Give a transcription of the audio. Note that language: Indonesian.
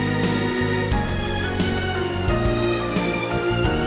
enggak enggak enggak